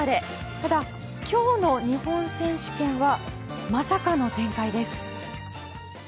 ただ、今日の日本選手権はまさかの展開です。